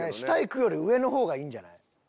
下行くより上のほうがいいんじゃない？